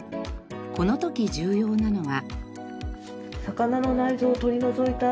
この時重要なのが。